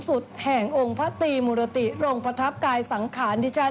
อ่ะเดี๋ยวดูกันค่ะ